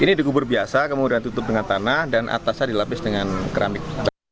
ini dikubur biasa kemudian tutup dengan tanah dan atasnya dilapis dengan keramik